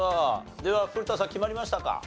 では古田さん決まりましたか？